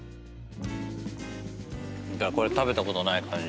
これ食べたことない感じ。